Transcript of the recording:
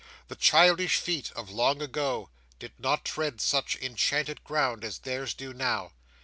The childish feet of long ago, did not tread such enchanted ground as theirs do now.